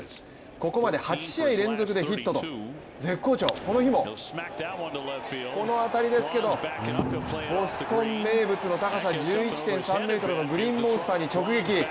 ここまで８試合連続でヒットと絶好調、この日も、この当たりですけど、ボストン名物の高さ高さ１１．３ｍのグリーンモンスターに直撃。